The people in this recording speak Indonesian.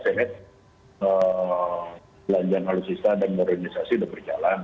saya lihat pelajaran alusista dan modernisasi sudah berjalan